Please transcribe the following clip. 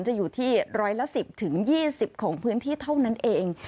จะอยู่ที่ร้อยละ๑๐๒๐ของพื้นที่เท่านั้นเอง